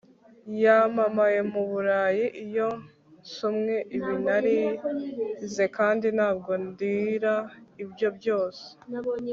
yamamaye mu burayi '. iyo nsomye ibi narize - kandi ntabwo ndira ibyo byose